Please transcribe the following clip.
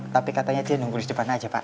tapi katanya dia nunggu di depan aja pak